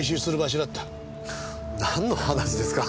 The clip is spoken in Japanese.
なんの話ですか？